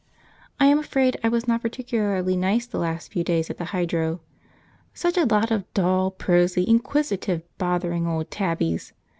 I am afraid I was not particularly nice the last few days at the Hydro. Such a lot of dull, prosy, inquisitive, bothering old tabbies!